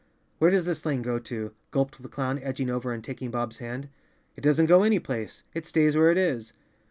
"Where does this lane go to?" gulped the clown, edging over and taking Bob's hand. "It doesn't go any place. It stays where it is."